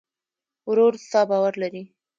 ورور ستا باور لري.